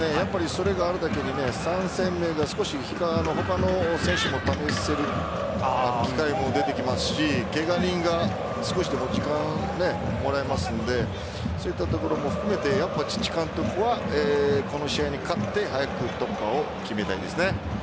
それがあるだけに３戦目が少し他の選手も試せる機会も出てきますしけが人が少しでも時間もらえますのでそういったところも含めてやっぱチッチ監督は、この試合に勝って早く突破を決めたいですね。